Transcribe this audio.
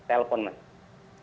informasi dari keluarga